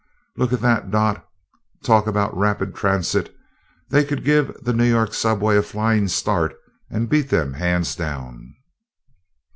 "Look at that, Dot. Talk about rapid transit! They could give the New York subway a flying start and beat them hands down!"